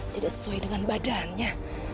tidak sesuai dengan badannya